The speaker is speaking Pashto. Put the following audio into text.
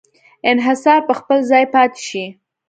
انحصار په خپل ځای پاتې شي.